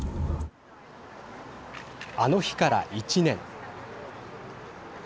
あの日から１年。